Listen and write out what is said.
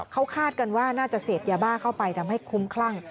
เขาคาดกันว่าน่าจะเสพยาบ้าเข้าไปทำให้คุ้มคลั่ง